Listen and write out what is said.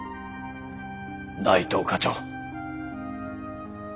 内藤課長。